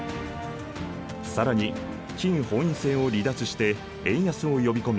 更に金本位制を離脱して円安を呼び込み輸出を増大。